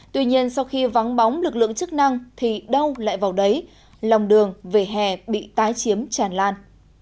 tuy nhiên sau khi vắng bóng lực lượng chức năng thì đâu lại vào đấy lòng đường về hè bị tái chiếm tràn lan